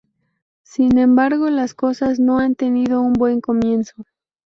Sin embargo, las cosas no han tenido un buen comienzo.